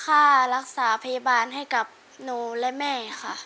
ค่ารักษาพยาบาลให้กับหนูและแม่ค่ะ